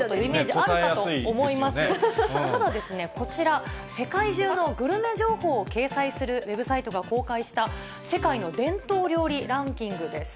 ただ、こちら、世界中のグルメ情報を掲載するウェブサイトが公開した、世界の伝統料理ランキングです。